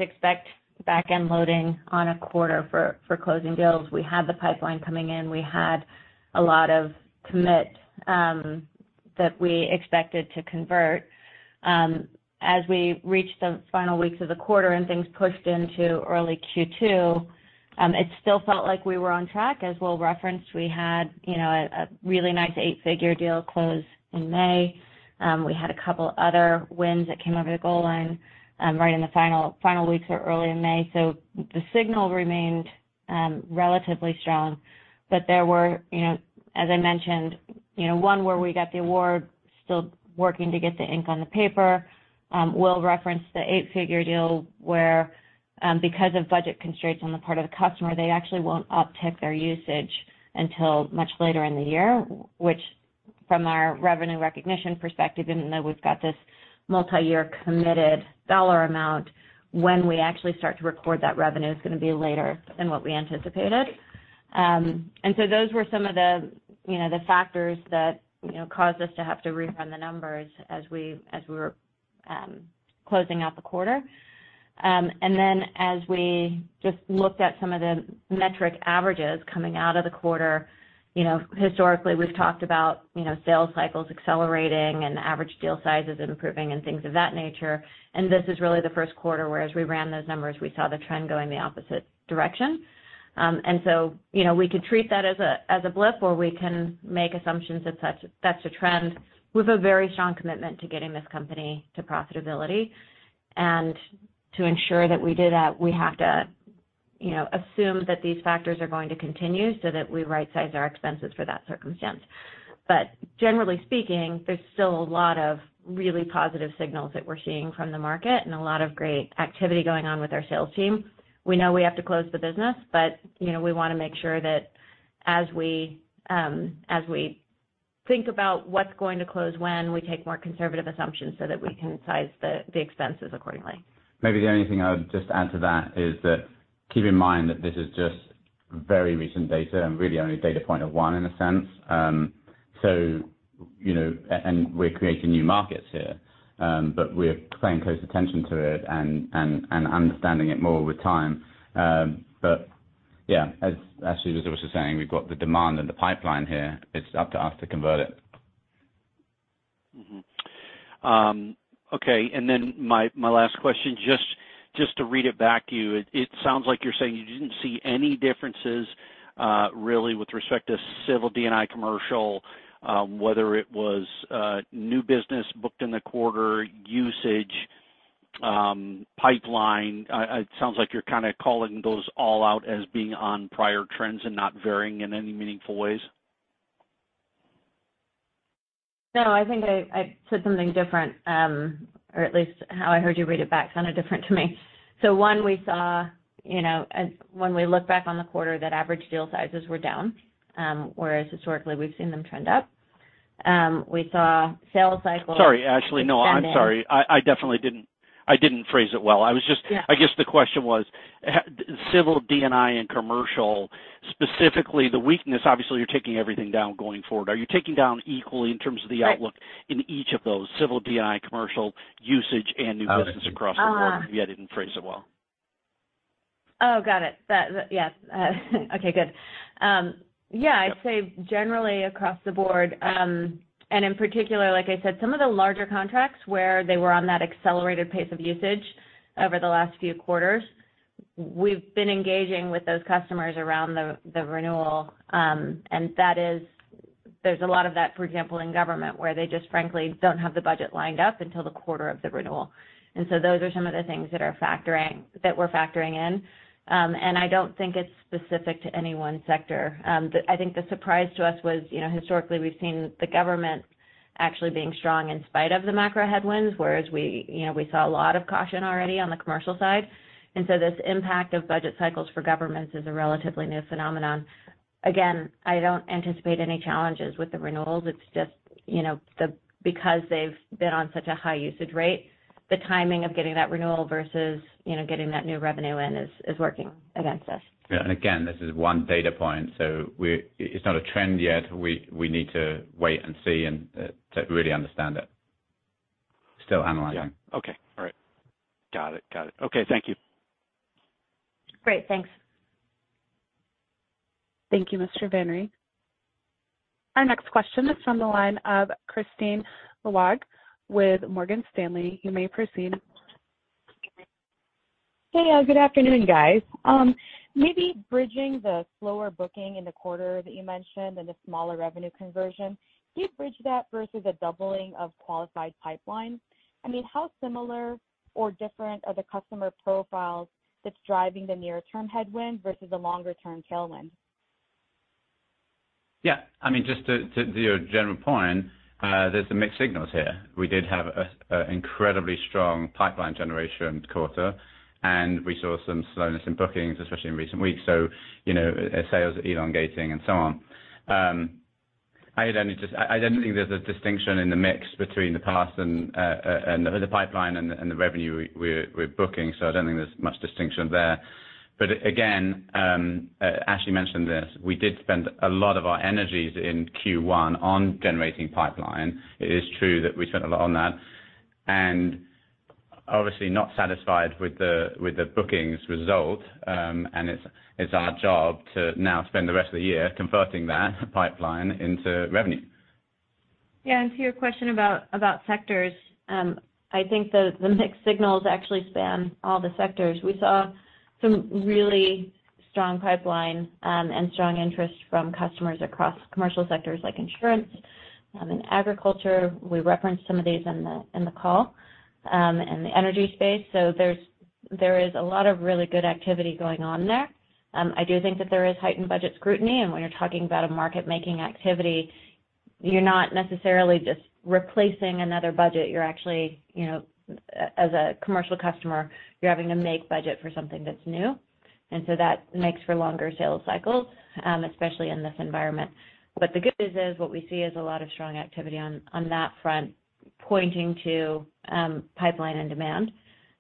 expect back-end loading on a quarter for closing deals. We had the pipeline coming in. We had a lot of commit that we expected to convert. As we reached the final weeks of the quarter and things pushed into early Q2, it still felt like we were on track. As we'll reference, we had, you know, a really nice 8-figure deal close in May. We had a couple other wins that came over the goal line right in the final weeks or early in May. The signal remained relatively strong. There were, you know, as I mentioned, you know, one where we got the award, still working to get the ink on the paper. We'll reference the eight-figure deal where, because of budget constraints on the part of the customer, they actually won't uptick their usage until much later in the year, which from our revenue recognition perspective, even though we've got this multiyear committed dollar amount, when we actually start to record that revenue is gonna be later than what we anticipated. Those were some of the, you know, the factors that, you know, caused us to have to rerun the numbers as we were closing out the quarter. As we just looked at some of the metric averages coming out of the quarter, you know, historically, we've talked about, you know, sales cycles accelerating and average deal sizes improving and things of that nature. This is really the Q1 where as we ran those numbers, we saw the trend going the opposite direction. You know, we could treat that as a, as a blip, or we can make assumptions that that's a trend. We have a very strong commitment to getting this company to profitability. To ensure that we do that, we have to, you know, assume that these factors are going to continue so that we rightsize our expenses for that circumstance. Generally speaking, there's still a lot of really positive signals that we're seeing from the market and a lot of great activity going on with our sales team. We know we have to close the business, but, you know, we want to make sure that as we, as we think about what's going to close when, we take more conservative assumptions so that we can size the expenses accordingly. Maybe the only thing I would just add to that is that keep in mind that this is just very recent data and really only a data point of one in a sense. you know, we're creating new markets here. We're paying close attention to it and understanding it more over time. Yeah, as Ashley was also saying, we've got the demand and the pipeline here. It's up to us to convert it. Okay, my last question, just to read it back to you. It sounds like you're saying you didn't see any differences, really, with respect to civil DNI commercial, whether it was new business booked in the quarter, usage, pipeline. It sounds like you're kind of calling those all out as being on prior trends and not varying in any meaningful ways? No, I think I said something different, or at least how I heard you read it back sounded different to me. One, we saw, you know, when we look back on the quarter, that average deal sizes were down, whereas historically, we've seen them trend up. We saw sales cycles- Sorry, Ashley. No, I'm sorry. I definitely didn't phrase it well. Yeah. I guess the question was, civil DNI and commercial, specifically, the weakness. Obviously, you're taking everything down going forward. Are you taking down equally in terms of the outlook? Right... in each of those, civil DNI, commercial, usage, and new business across the board? Got it. Uh. Yeah, I didn't phrase it well. Got it. That, yeah. Okay, good. Yeah, I'd say generally across the board, and in particular, like I said, some of the larger contracts where they were on that accelerated pace of usage over the last few quarters, we've been engaging with those customers around the renewal. There's a lot of that, for example, in government, where they just frankly, don't have the budget lined up until the quarter of the renewal. Those are some of the things that are factoring that we're factoring in. I don't think it's specific to any one sector. I think the surprise to us was, you know, historically, we've seen the government actually being strong in spite of the macro headwinds, whereas we, you know, we saw a lot of caution already on the commercial side. This impact of budget cycles for governments is a relatively new phenomenon. Again, I don't anticipate any challenges with the renewals. It's just, you know, because they've been on such a high usage rate, the timing of getting that renewal versus, you know, getting that new revenue in is working against us. Again, this is one data point, so it's not a trend yet. We need to wait and see and to really understand it. Still analyzing. Yeah. Okay. All right. Got it. Got it. Okay, thank you. Great. Thanks. Thank you, Mr. Genualdi. Our next question is from the line of Kristine Liwag with Morgan Stanley. You may proceed. Hey, good afternoon, guys. Maybe bridging the slower booking in the quarter that you mentioned and the smaller revenue conversion, can you bridge that versus a doubling of qualified pipeline? I mean, how similar or different are the customer profiles that's driving the near-term headwind versus the longer-term tailwind? Yeah, I mean, just to your general point, there's some mixed signals here. We did have a incredibly strong pipeline generation quarter, and we saw some slowness in bookings, especially in recent weeks. You know, sales elongating and so on. I don't think there's a distinction in the mix between the past and the pipeline and the revenue we're booking, so I don't think there's much distinction there. Again, Ashley mentioned this, we did spend a lot of our energies in Q1 on generating pipeline. It is true that we spent a lot on that, and obviously not satisfied with the bookings result, and it's our job to now spend the rest of the year converting that pipeline into revenue. To your question about sectors, I think the mixed signals actually span all the sectors. We saw some really strong pipeline, and strong interest from customers across commercial sectors like insurance, and agriculture. We referenced some of these in the call, and the energy space. There is a lot of really good activity going on there. I do think that there is heightened budget scrutiny, and when you're talking about a market-making activity, you're not necessarily just replacing another budget. You're actually, you know, as a commercial customer, you're having to make budget for something that's new, and so that makes for longer sales cycles, especially in this environment. The good news is, what we see is a lot of strong activity on that front, pointing to pipeline and demand.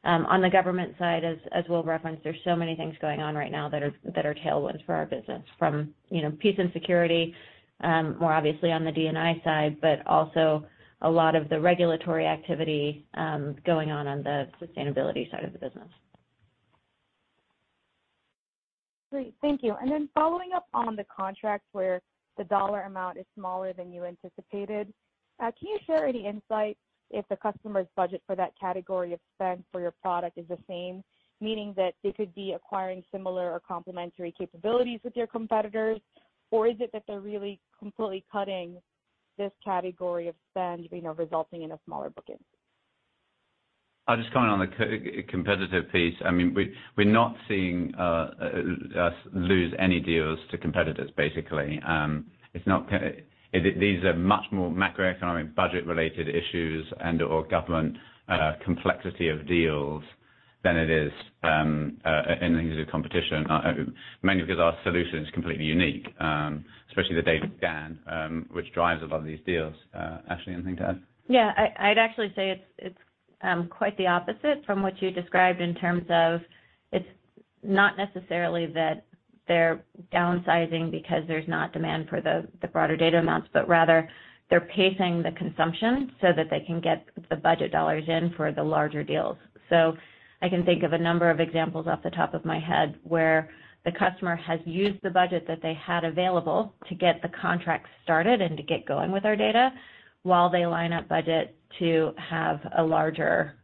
On the government side, as we'll reference, there's so many things going on right now that are tailwinds for our business, from peace and security, more obviously on the DNI side, but also a lot of the regulatory activity going on on the sustainability side of the business. Great. Thank you. Following up on the contracts where the dollar amount is smaller than you anticipated, can you share any insight if the customer's budget for that category of spend for your product is the same, meaning that they could be acquiring similar or complementary capabilities with your competitors, or is it that they're really completely cutting this category of spend, you know, resulting in a smaller booking? I'll just comment on the co- competitive piece. I mean, we're not seeing us lose any deals to competitors, basically. These are much more macroeconomic, budget-related issues and/or government, complexity of deals than it is anything to do with competition, mainly because our solution is completely unique, especially the daily scan, which drives a lot of these deals. Ashley, anything to add? I'd actually say it's quite the opposite from what you described in terms of not necessarily that they're downsizing because there's not demand for the broader data amounts, but rather they're pacing the consumption so that they can get the budget dollars in for the larger deals. I can think of a number of examples off the top of my head, where the customer has used the budget that they had available to get the contract started and to get going with our data, while they line up budget to have a larger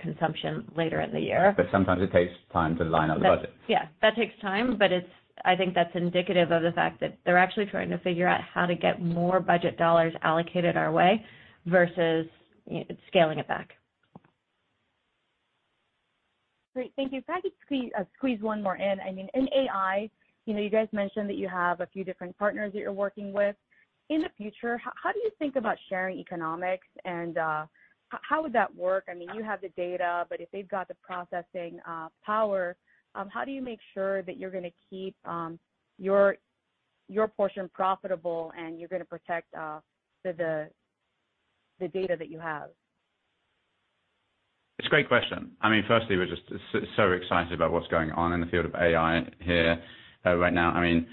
consumption later in the year. Sometimes it takes time to line up the budget. Yes, that takes time, but I think that's indicative of the fact that they're actually trying to figure out how to get more budget dollars allocated our way, versus, you know, scaling it back. Great, thank you. If I could squeeze one more in? I mean, in AI, you know, you guys mentioned that you have a few different partners that you're working with. In the future, how do you think about sharing economics, how would that work? I mean, you have the data, but if they've got the processing power, how do you make sure that you're gonna keep your portion profitable, and you're gonna protect the data that you have? It's a great question. I mean, firstly, we're just so excited about what's going on in the field of AI here, right now. I mean,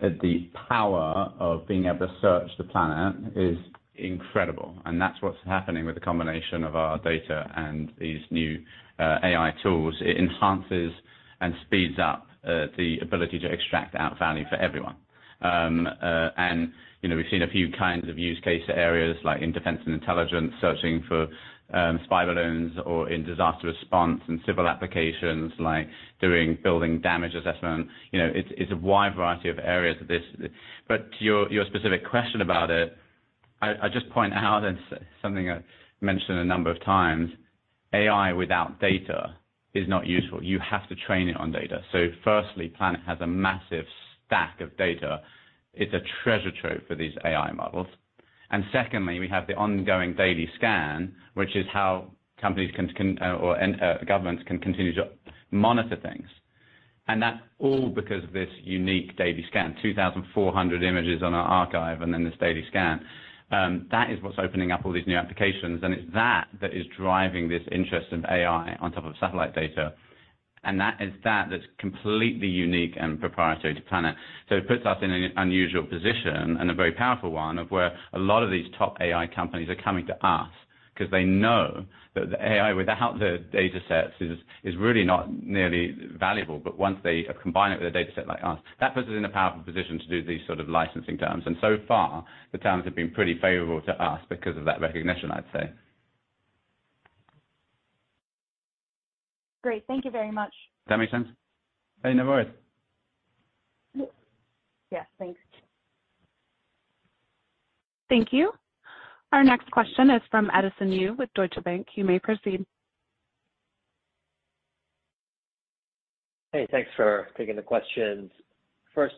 the power of being able to search the Planet is incredible, that's what's happening with the combination of our data and these new AI tools. It enhances and speeds up the ability to extract out value for everyone. You know, we've seen a few kinds of use case areas, like in defense and intelligence, searching for spy balloons or in disaster response and civil applications, like doing building damage assessment. You know, it's a wide variety of areas of this. To your specific question about it, I'd just point out, it's something I've mentioned a number of times, AI without data is not useful. You have to train it on data. Firstly, Planet has a massive stack of data. It's a treasure trove for these AI models. Secondly, we have the ongoing daily scan, which is how companies can or governments can continue to monitor things. That's all because of this unique daily scan, 2,400 images on our archive and then this daily scan. That is what's opening up all these new applications, and it's that is driving this interest in AI on top of satellite data. It's that that's completely unique and proprietary to Planet. It puts us in an unusual position, and a very powerful one, of where a lot of these top AI companies are coming to us because they know that the AI, without the datasets, is really not nearly valuable. Once they combine it with a dataset like us, that puts us in a powerful position to do these sort of licensing terms. So far, the terms have been pretty favorable to us because of that recognition, I'd say. Great. Thank you very much. Does that make sense? Hey, no worries. Yep. Yes, thanks. Thank you. Our next question is from Edison Yu with Deutsche Bank. You may proceed. Hey, thanks for taking the questions.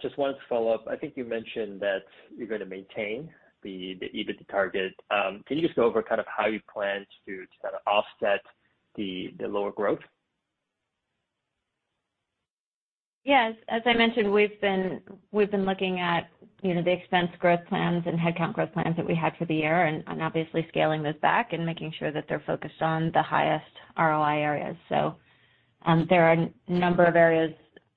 Just one follow-up. I think you mentioned that you're going to maintain the EBITDA target. Can you just go over kind of how you plan to kind of offset the lower growth? Yes. As I mentioned, we've been looking at, you know, the expense growth plans and headcount growth plans that we had for the year, and obviously scaling those back and making sure that they're focused on the highest ROI areas. There are number of areas,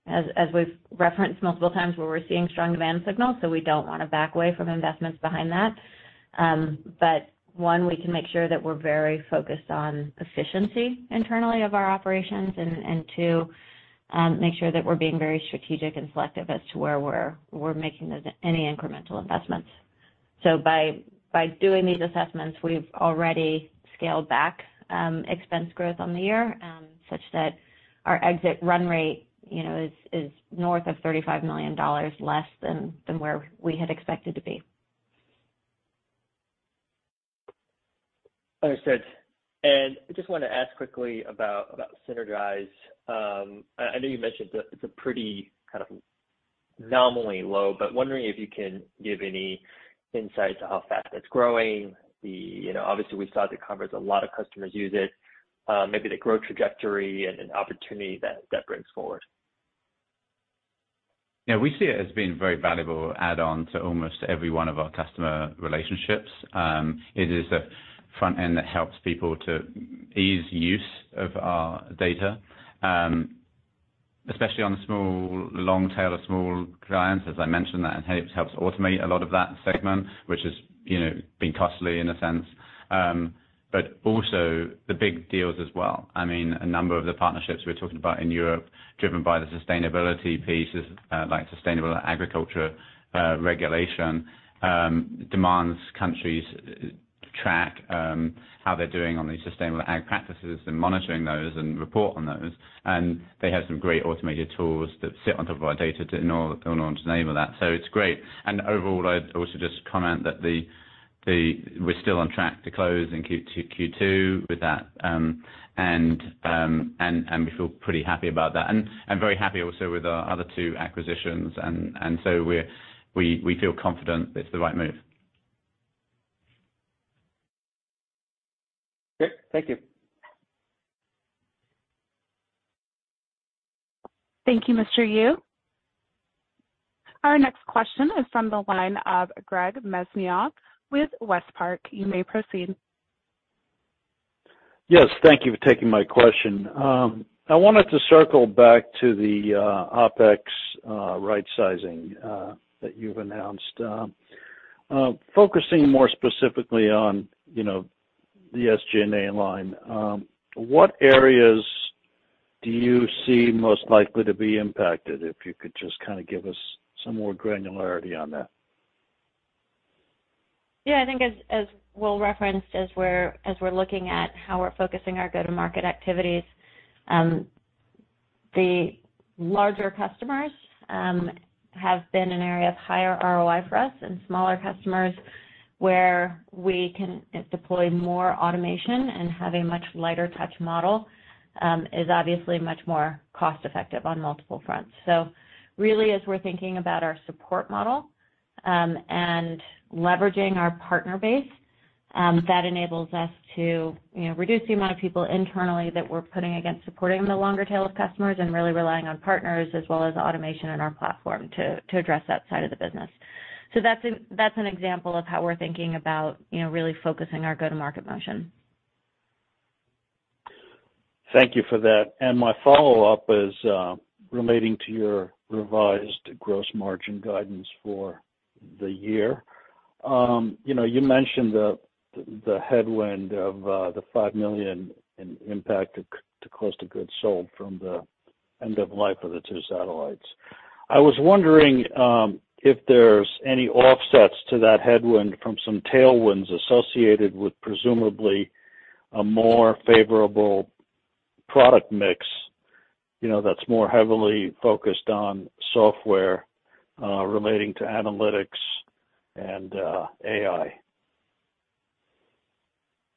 as we've referenced multiple times, where we're seeing strong demand signals, so we don't want to back away from investments behind that. One, we can make sure that we're very focused on efficiency internally of our operations, and two, make sure that we're being very strategic and selective as to where we're making those, any incremental investments. By doing these assessments, we've already scaled back expense growth on the year, such that our exit run rate, you know, is north of $35 million, less than where we had expected to be. Understood. I just want to ask quickly about Sinergise. I know you mentioned that it's a pretty kind of nominally low, but wondering if you can give any insight to how fast it's growing. The, you know, obviously, we saw at the conference a lot of customers use it. Maybe the growth trajectory and an opportunity that brings forward. We see it as being a very valuable add-on to almost every one of our customer relationships. It is a front end that helps people to ease use of our data, especially on the small, long tail of small clients, as I mentioned, that helps automate a lot of that segment, which has, you know, been costly in a sense, but also the big deals as well. I mean, a number of the partnerships we're talking about in Europe, driven by the sustainability pieces, like sustainable agriculture regulation, demands countries track how they're doing on these sustainable ag practices and monitoring those and report on those. They have some great automated tools that sit on top of our data to in order to enable that. It's great. Overall, I'd also just comment that we're still on track to close in Q2 with that. We feel pretty happy about that. Very happy also with our other two acquisitions. We feel confident it's the right move. Great. Thank you. Thank you, Mr. Yu. Our next question is from the line of Greg Mesniaeff with WestPark. You may proceed. Yes, thank you for taking my question. I wanted to circle back to the OpEx right sizing that you've announced. Focusing more specifically on, you know, the SG&A line, what areas do you see most likely to be impacted? If you could just kind of give us some more granularity on that. Yeah, I think as Will referenced, as we're looking at how we're focusing our go-to-market activities, the larger customers have been an area of higher ROI for us and smaller customers where we can deploy more automation and have a much lighter touch model is obviously much more cost-effective on multiple fronts. Really, as we're thinking about our support model and leveraging our partner base, that enables us to, you know, reduce the amount of people internally that we're putting against supporting the longer tail of customers and really relying on partners as well as automation in our platform to address that side of the business. That's an example of how we're thinking about, you know, really focusing our go-to-market motion. Thank you for that. My follow-up is relating to your revised gross margin guidance for the year. You know, you mentioned the headwind of the $5 million in impact to cost of goods sold from the end of life of the 2 satellites. I was wondering if there's any offsets to that headwind from some tailwinds associated with presumably a more favorable product mix, you know, that's more heavily focused on software, relating to analytics and AI.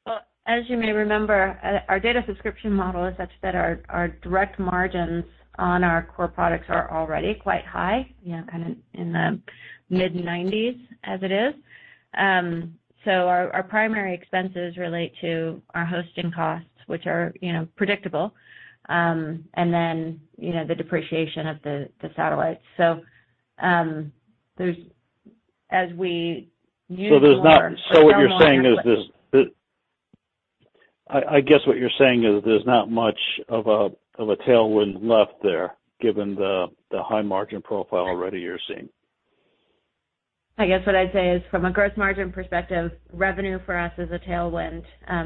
Well, as you may remember, our data subscription model is such that our direct margins on our core products are already quite high, kind of in the mid-nineties as it is. Our primary expenses relate to our hosting costs, which are, you know, predictable, and then, you know, the depreciation of the satellites. There's, as we use more. What you're saying is this, I guess what you're saying is there's not much of a tailwind left there, given the high margin profile already you're seeing. I guess what I'd say is, from a gross margin perspective, revenue for us is a tailwind,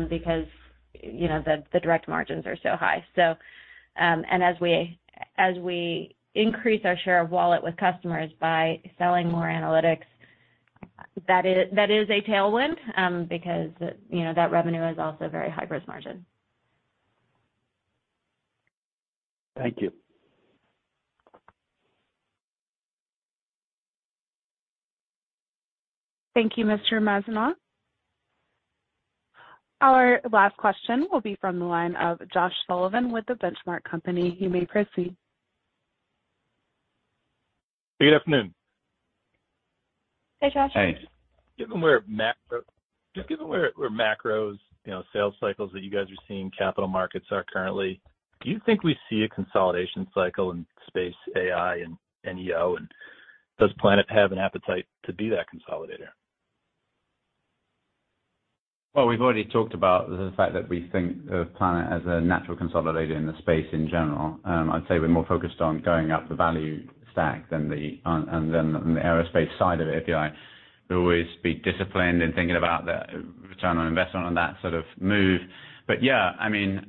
because, you know, the direct margins are so high. As we increase our share of wallet with customers by selling more analytics, that is a tailwind, because, you know, that revenue is also very high gross margin. Thank you. Thank you, Mr. Mesniaeff. Our last question will be from the line of Josh Sullivan with The Benchmark Company. You may proceed. Good afternoon. Hey, Josh. Hi. Given where macro, you know, sales cycles that you guys are seeing, capital markets are currently, do you think we see a consolidation cycle in space, AI, and EO, and does Planet have an appetite to be that consolidator? Well, we've already talked about the fact that we think of Planet as a natural consolidator in the space in general. I'd say we're more focused on going up the value stack than the aerospace side of it. If I always be disciplined in thinking about the return on investment on that sort of move. Yeah, I mean,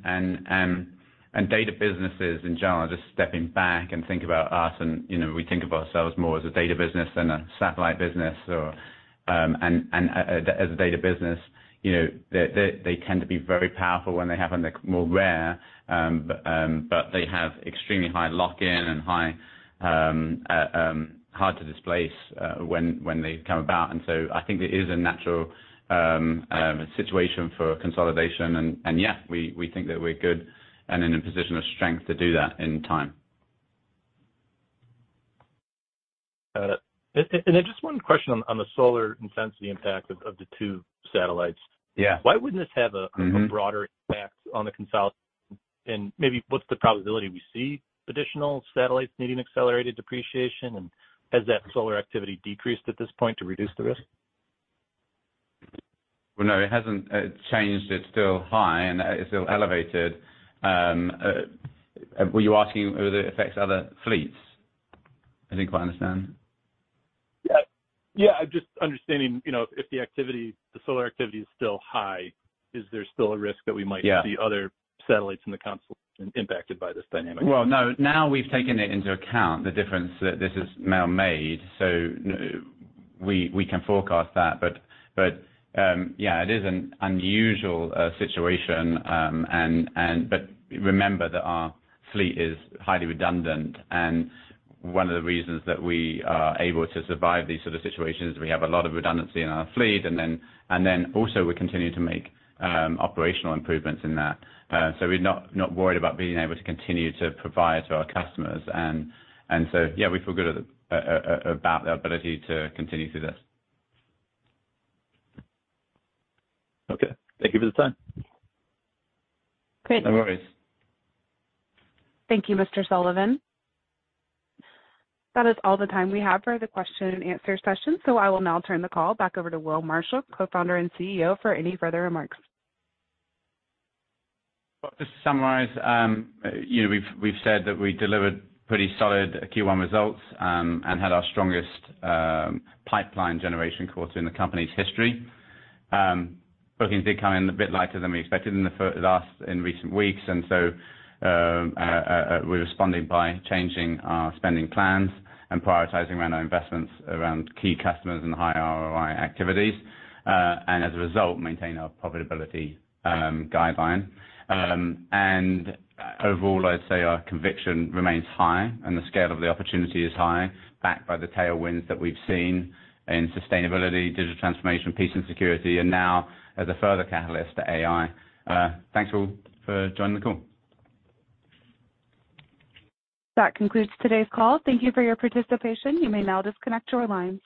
and data businesses in general, just stepping back and think about us, and, you know, we think of ourselves more as a data business than a satellite business or, and, as a data business, you know, they tend to be very powerful when they happen. They're more rare, but they have extremely high lock-in and high hard to displace when they come about. I think there is a natural situation for consolidation. Yeah, we think that we're good and in a position of strength to do that in time. Got it. Then just one question on the solar intensity impact of the two satellites. Yeah. Why wouldn't this have? Mm-hmm. a broader impact on the consolidation? Maybe what's the probability we see additional satellites needing accelerated depreciation? Has that solar activity decreased at this point to reduce the risk? Well, no, it hasn't changed. It's still high, it's still elevated. Were you asking whether it affects other fleets? I didn't quite understand. Yeah. Yeah, just understanding, you know, if the activity, the solar activity is still high, is there still a risk that we might. Yeah. See other satellites in the constellation impacted by this dynamic? Well, no. Now we've taken it into account, the difference that this has now made, so we can forecast that. Yeah, it is an unusual situation. Remember that our fleet is highly redundant, and one of the reasons that we are able to survive these sort of situations is we have a lot of redundancy in our fleet, and then also we continue to make operational improvements in that. We're not worried about being able to continue to provide to our customers. Yeah, we feel good about the ability to continue through this. Okay. Thank you for the time. Great. No worries. Thank you, Mr. Sullivan. That is all the time we have for the question and answer session. I will now turn the call back over to Will Marshall, Co-Founder and CEO, for any further remarks. Well, just to summarize, you know, we've said that we delivered pretty solid Q1 results and had our strongest pipeline generation quarter in the company's history. Bookings did come in a bit lighter than we expected in recent weeks, and so we're responding by changing our spending plans and prioritizing our investments around key customers and high ROI activities, and as a result, maintain our profitability guideline. Overall, I'd say our conviction remains high, and the scale of the opportunity is high, backed by the tailwinds that we've seen in sustainability, digital transformation, peace and security, and now as a further catalyst to AI. Thanks, all, for joining the call. That concludes today's call. Thank you for your participation. You may now disconnect your lines.